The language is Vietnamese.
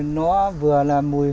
nó vừa là mùi hôi